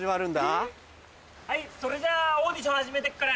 はいそれじゃあオーディション始めてくから。